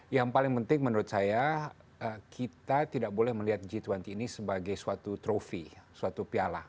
yang paling penting menurut saya kita tidak boleh melihat g dua puluh ini sebagai suatu trofi suatu piala